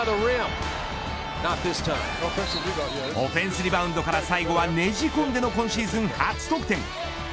オフェンスリバウンドから最後はねじ込んでの今シーズン初得点。